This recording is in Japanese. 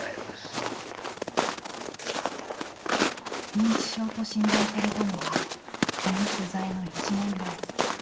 認知症と診断されたのはこの取材の１年前。